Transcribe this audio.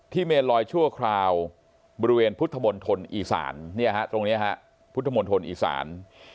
ที่เมลอยชั่วคราวบริเวณพุทธมนต์ทนอีสานนี่ฮะตรงนี้ฮะพุทธมนต์ทนอีสาน